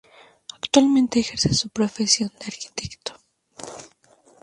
Actualmente ejerce su profesión de arquitecto.